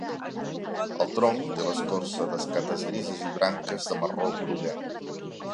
El tronc té l'escorça d'escates grises i branques de marró groguenc.